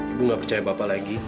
ibu gak percaya bapak lagi